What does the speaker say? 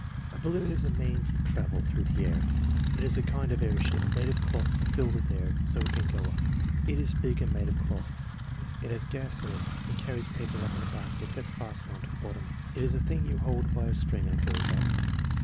"A balloon is a means of traveling through the air." * It is a kind of airship, made of cloth and filled with air so it can go up." "It is big and made of cloth. It has gas in it and carries people up in a basket that's fastened on to the bottom/ 5 "It is a thing you hold by a string and it goes up."